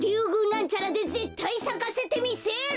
なんちゃらでぜったいさかせてみせる！